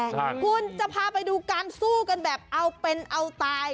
ใช่คุณจะพาไปดูการสู้กันแบบเอาเป็นเอาตาย